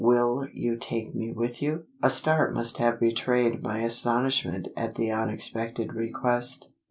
Will you take me with, you?" A start must have betrayed my astonishment at the unexpected request.